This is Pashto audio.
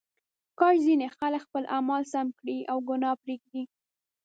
کاش ځینې خلک خپل اعمال سم کړي او ګناه پرېږدي.